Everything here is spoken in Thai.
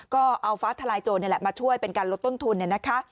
ก็เอาฟ้าทลายโจรนี่แหละมาช่วยเป็นการลดต้นทุน